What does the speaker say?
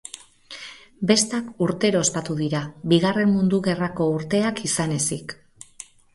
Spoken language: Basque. Bestak urtero ospatu dira, Bigarren Mundu Gerrako urteak izan ezik.